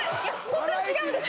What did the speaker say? ホントに違うんです